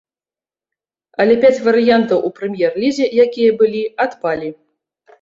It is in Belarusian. Але пяць варыянтаў у прэм'ер-лізе, якія былі, адпалі.